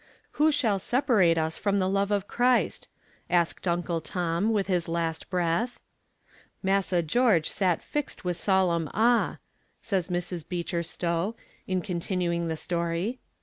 VII 'Who shall separate us from the love of Christ?' asked Uncle Tom, with his last breath. 'Massa George sat fixed with solemn awe,' says Mrs. Beecher Stowe, in continuing the story.